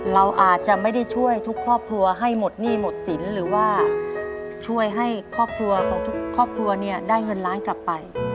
เราอาจจะไม่ได้ช่วยทุกครอบครัวให้หมดหนี้หมดสินหรือว่าช่วยให้ครอบครัวของทุกครอบครัวเนี่ยได้เงินล้านกลับไป